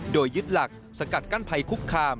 โดยยึดหลักสกัดกั้นภัยคุกคาม